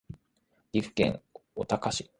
岐阜県御嵩町